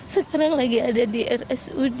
sekarang lagi ada di rsud